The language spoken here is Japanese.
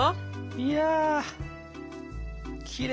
いやきれい。